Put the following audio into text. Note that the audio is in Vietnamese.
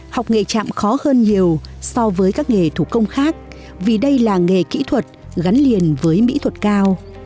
học nghề trạm khó hơn nhiều so với các nghề thủ công khác vì đây là nghề kỹ thuật gắn liền với mỹ thuật cao